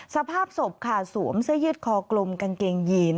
สภาพศพค่ะสวมเสื้อยืดคอกลมกางเกงยีน